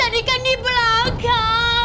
tadi kan di belakang